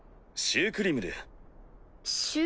シュークリムル？